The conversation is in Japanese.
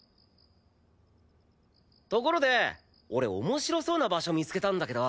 ところで俺面白そうな場所見つけたんだけど。